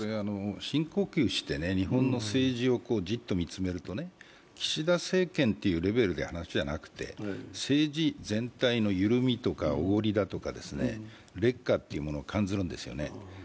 深呼吸して日本の政治をじっと見つめると岸田政権というのレベルの話じゃなくて、政治全体の緩みとかおごりとか劣化を感ずるんですよね。